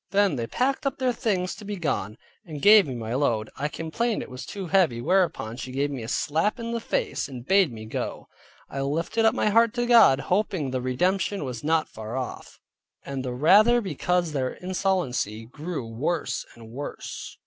Then they packed up their things to be gone, and gave me my load. I complained it was too heavy, whereupon she gave me a slap in the face, and bade me go; I lifted up my heart to God, hoping the redemption was not far off; and the rather because their insolency grew worse and worse.